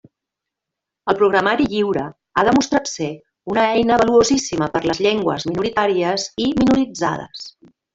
El programari lliure ha demostrat ser una eina valuosíssima per a les llengües minoritàries i minoritzades.